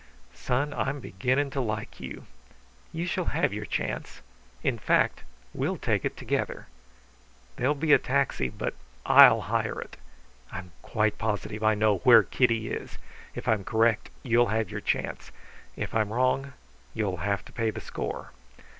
"Son, I'm beginning to like you. You shall have your chance. In fact, we'll take it together. There'll be a taxi but I'll hire it. I'm quite positive I know where Kitty is. If I'm correct you'll have your chance. If I'm wrong you'll have to pay the score.